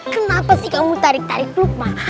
kenapa sih kamu tarik tarik lukman